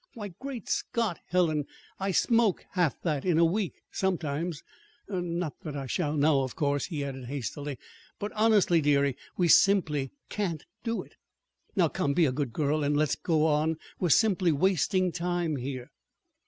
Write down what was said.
Why, great Scott, Helen, I smoke half that in a week, sometimes, not that I shall now, of course," he added hastily. "But, honestly, dearie, we simply can't do it. Now, come, be a good girl, and let's go on. We're simply wasting time here."